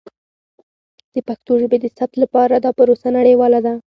د پښتو ژبې د ثبت لپاره دا پروسه نړیواله ده.